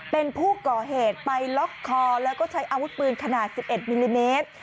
เป็นผู้ก่อเหตุไปล็อกคอแล้วก็ใช้อาวุธปืนขนาด๑๑มิลลิเมตร